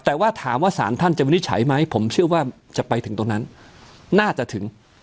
แต่ว่าถามว่าสารท่านจะวินิจฉัยไหมผมเชื่อว่าจะไปถึงตรงนั้นน่าจะถึง